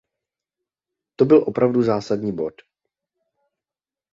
To byl opravdu zásadní bod.